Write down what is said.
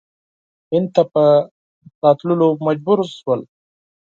هند ته په راتللو مجبور شول.